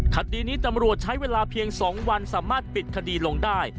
คดีนี้ตำรวจใช้เวลาเพียง๒วันสามารถปิดคดีลงได้